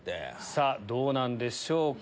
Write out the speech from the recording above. さぁどうなんでしょうか？